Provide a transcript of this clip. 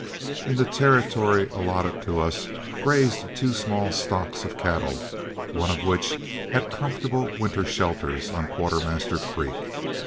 In the territory allotted to us grazed two small stocks of cattle, one of which had comfortable winter shelters on Quartermaster Creek.